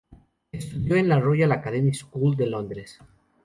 Estudió en la Royal Academy school de Londres.